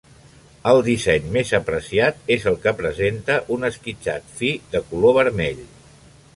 El disseny més apreciat és el que presenta un esquitxat fi de color vermell.